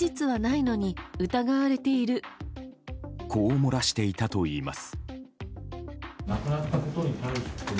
こう漏らしていたといいます。